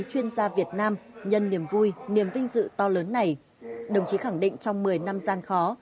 chuyên gia việt nam nhân niềm vui niềm vinh dự to lớn này đồng chí khẳng định trong một mươi năm gian khó